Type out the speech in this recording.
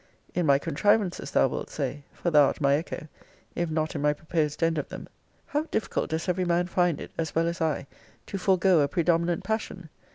In my contrivances thou wilt say, (for thou art my echo,) if not in my proposed end of them. How difficult does every man find it, as well as I, to forego a predominant passion!